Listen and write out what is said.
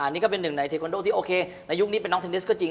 นี่ก็เป็นหนึ่งในเทควันโดที่โอเคในยุคนี้เป็นน้องเทนนิสก็จริง